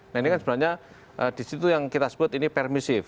nah ini kan sebenarnya disitu yang kita sebut permissive